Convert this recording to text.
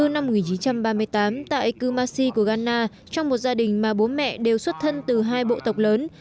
năm một nghìn chín trăm ba mươi tám tại kumasi của ghana trong một gia đình mà bố mẹ đều xuất thân từ hai bộ tộc lớn